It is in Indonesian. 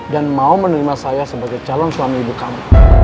dan mau menerima saya sebagai calon suami ibu kamu